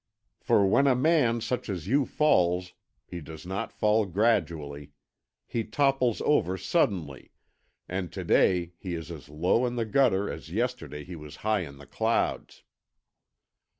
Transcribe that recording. For when a man such as you falls, he does not fall gradually. He topples over suddenly, and to day he is as low in the gutter as yesterday he was high in the clouds."